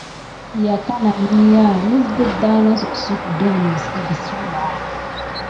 Yakaku məlinya nisgue danasine soko dida mis guelna ne.